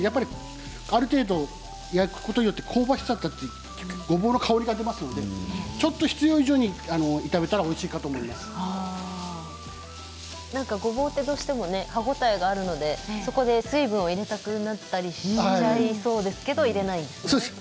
ある程度、焼くことによって香ばしさが立って、ごぼうの香りが出ますので、必要以上にごぼうってどうしても歯応えがあるのでそこで水分を入れたくなったり吸っちゃいそうですけど入れないんですね。